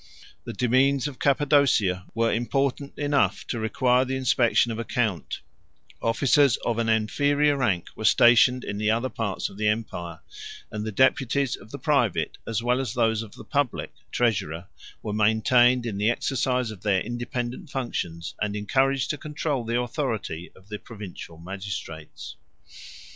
155 The demesnes of Cappadocia were important enough to require the inspection of a count; 156 officers of an inferior rank were stationed in the other parts of the empire; and the deputies of the private, as well as those of the public, treasurer were maintained in the exercise of their independent functions, and encouraged to control the authority of the provincial magistrates.